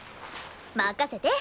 任せて！